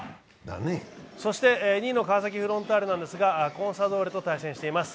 そして２位の川崎フロンターレですがコンサドーレと対戦しています。